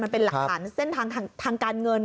มันเป็นหลักฐานเส้นทางทางการเงิน